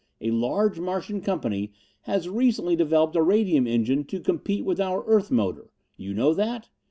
A large Martian Company has recently developed a radium engine to compete with our Earth motor. You know that?